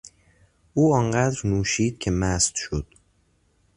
او آنقدر نوشید که مست شد.